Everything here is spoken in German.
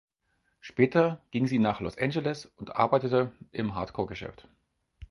Später ging sie nach Los Angeles und arbeitete im Hardcore-Geschäft.